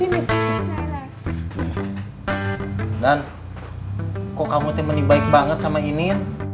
dan kok kamu tim ini baik banget sama ini